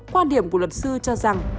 quan điểm của luật sư cho rằng